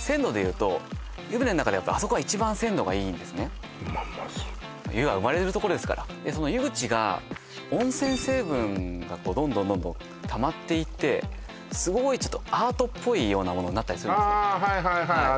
鮮度でいうと湯船の中でやっぱあそこが一番鮮度がいいんですねまあまあ湯が生まれるとこですからその湯口が温泉成分がこうどんどんどんどんたまっていってすごいアートっぽいようなものになったりするんですよああ